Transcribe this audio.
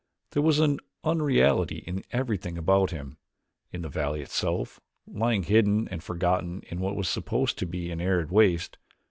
There was unreality in everything about him in the valley itself, lying hidden and forgotten in what was supposed to be an arid waste.